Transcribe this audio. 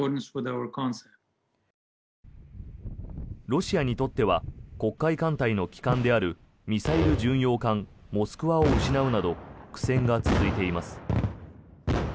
ロシアにとっては黒海艦隊の旗艦であるミサイル巡洋艦「モスクワ」を失うなど苦戦が続いています。